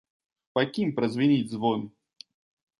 Па кім празвініць звон?